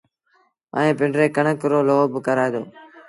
ائيٚݩ پنڊريٚ ڪڻڪ رو لوب ڪرآئي دو